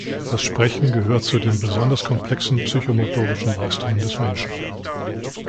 Das Sprechen gehört zu den besonders komplexen psychomotorischen Leistungen des Menschen.